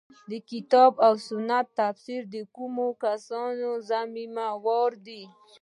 د کتاب او سنت تفسیر د کومو کسانو ذمه واري ده.